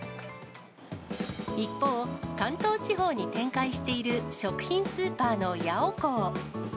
一方、関東地方に展開している食品スーパーのヤオコー。